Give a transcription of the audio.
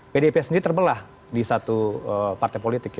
pdip sendiri terbelah di satu partai politik